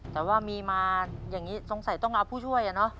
แต่ว่ามีมาอย่างนี้สงสัยต้องเอาผู้ช่วย